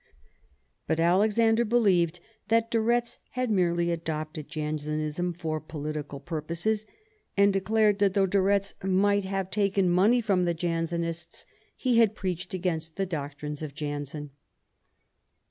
But Alexander believed that de Retz had merely adopted Jansenism for political purposes, and declared that though de Retz might have VII SPANISH WAR AND ENGLISH ALLIANCE 129 taken money from the Jansenists, he had "preached against the doctrines of Jansen.